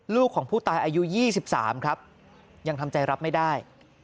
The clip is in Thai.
ลูกของผู้ตายอายุ๒๓ครับยังทำใจรับไม่ได้